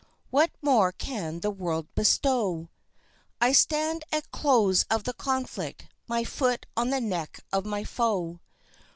what more can the world bestow? I stand at the close of the conflict, my foot on the neck of my foe.